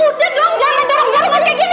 udah dong jangan mendorong dorong kayak gini